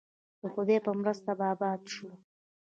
د خدای په مرسته به اباد شو؟